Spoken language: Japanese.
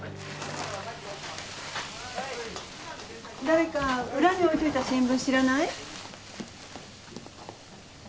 誰か裏に置いといた新聞知らない？